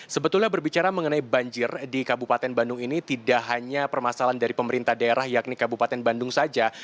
sebetulnya berbicara mengenai banjir di kabupaten bandung ini tidak hanya permasalahan dari pemerintah daerah yakni kabupaten bandung saja